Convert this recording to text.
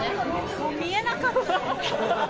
もう見えなかった。